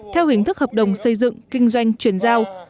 theo hình thức hợp đồng xây dựng kinh doanh chuyển giao